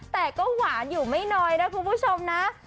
แต่ก็หวานอยู่ไม่น้อยนะคุณผู้ชมนะ